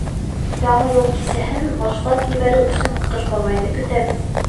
Яңы йыл кисәһен башлап ебәреү өсөн Ҡыш бабайҙы көтәбеҙ.